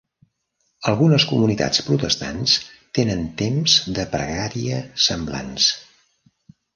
Algunes comunitats protestants tenen temps de pregària semblants.